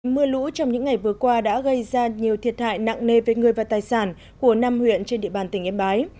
mưa lũ trong những ngày vừa qua đã gây ra nhiều thiệt hại nặng nề về người và tài sản của năm huyện trên địa bàn tỉnh yên bái